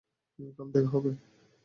কাল দেখা হবে!